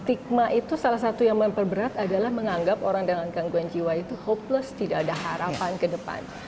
stigma itu salah satu yang memperberat adalah menganggap orang dengan gangguan jiwa itu hopeless tidak ada harapan ke depan